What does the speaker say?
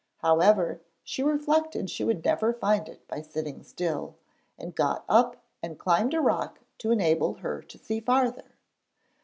However, she reflected she would never find it by sitting still, and got up and climbed a rock to enable her to see farther.